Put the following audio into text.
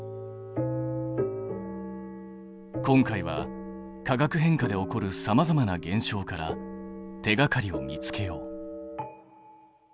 今回は化学変化で起こるさまざまな現象から手がかりを見つけよう。